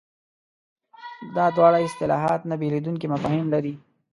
دا دواړه اصطلاحات نه بېلېدونکي مفاهیم لري.